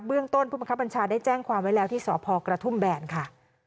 เรื่องต้นผู้บังคับบัญชาได้แจ้งความไว้แล้วที่สพกระทุ่มแบนค่ะ